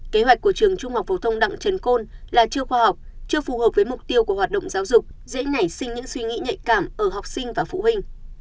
kế hoạch của trường trung học phổ thông đặng trần côn là chưa khoa học chưa phù hợp với mục tiêu của hoạt động giáo dục dễ nảy sinh những suy nghĩ nhạy cảm ở học sinh và phụ huynh